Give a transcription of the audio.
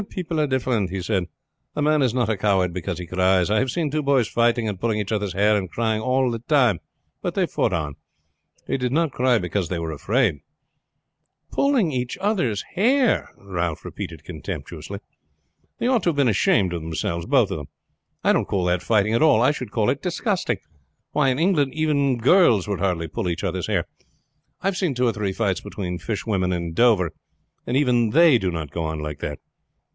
"People are different," he said. "A man is not a coward because he cries. I have seen two boys fighting and pulling each other's hair and crying all the time, but they fought on. They did not cry because they were afraid." "Pulling each other's hair!" Ralph repeated contemptuously. "They ought to have been ashamed of themselves, both of them. I don't call that fighting at all. I should call it disgusting. Why, in England even girls would hardly pull each other's hair. I have seen two or three fights between fishwomen in Dover, and even they did not go on like that.